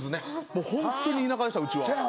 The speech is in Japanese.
もうホントに田舎でしたうちは。